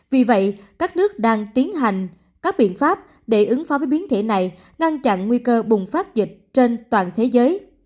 vì vậy các nước đang tiến hành các biện pháp để ứng phó với biến thể này ngăn chặn nguy cơ bùng phát dịch trên toàn thế giới